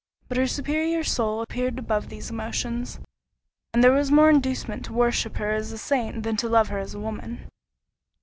But her superior soul appeared above those emotions, and there was more inducement to worship her as a saint than to love her as a woman.